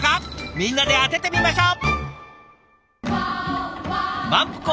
みんなで当ててみましょう。